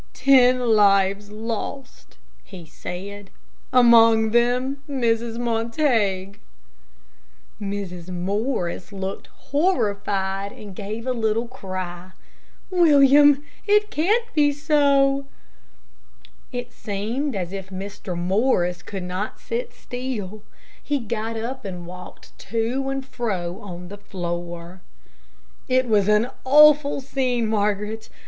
"Ten lives lost," he said; "among them Mrs. Montague." Mrs. Morris looked horrified, and gave a little cry, "William, it can't be so!" It seemed as if Mr. Morris could not sit still. He got up and walked to and fro on the floor. "It was an awful scene, Margaret.